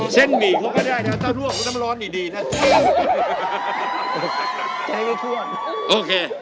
ใจไม่ทวนโอเค